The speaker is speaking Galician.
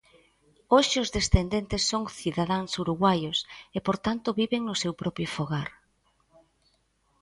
Hoxe os descendentes son cidadáns uruguaios e por tanto viven no seu propio fogar.